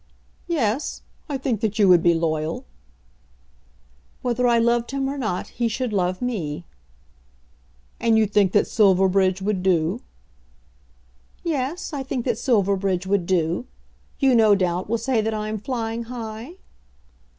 "Yes; I think that you would be loyal." "Whether I loved him or not, he should love me." "And you think that Silverbridge would do?" "Yes, I think that Silverbridge would do. You, no doubt, will say that I am flying high?"